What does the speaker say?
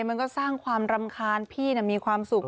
มันก็สร้างความรำคาญพี่มีความสุข